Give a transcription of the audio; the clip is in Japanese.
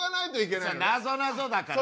なぞなぞだから。